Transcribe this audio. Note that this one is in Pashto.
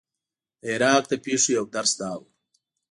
د عراق د پېښو یو درس دا و.